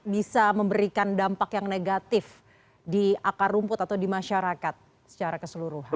bisa memberikan dampak yang negatif di akar rumput atau di masyarakat secara keseluruhan